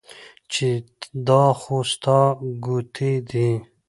چې دا خو ستا ګوتې دي